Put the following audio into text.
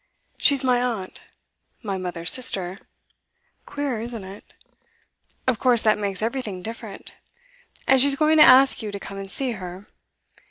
She's my aunt my mother's sister. Queer, isn't it? Of course that makes everything different. And she's going to ask you to come and see her.